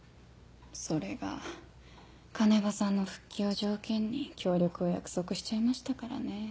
それが鐘場さんの復帰を条件に協力を約束しちゃいましたからねぇ。